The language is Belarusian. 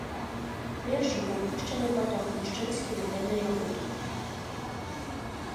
Першым быў пушчаны паток мужчынскі мадэльнай абутку.